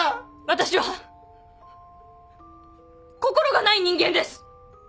私は心がない人間です。